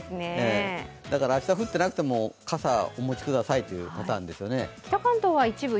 だから明日降ってなくても傘お持ちくださいというパターンですよね。